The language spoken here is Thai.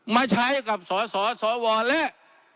มาใช้กับสสวและ